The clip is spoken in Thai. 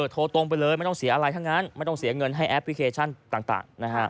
โทรตรงไปเลยไม่ต้องเสียอะไรทั้งนั้นไม่ต้องเสียเงินให้แอปพลิเคชันต่าง